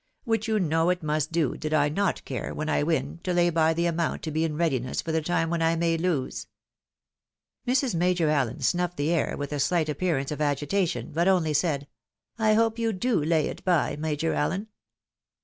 which you know it must do, did I not take care, when I win, to lay by the amount to be in readiness for the time when I may lose." Mrs. Major Allen snuffed the air with a slight appearance of agitation, but only said, " I hope you do lay it by. Major AUen."